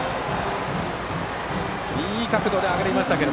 いい角度で打球が上がりましたが。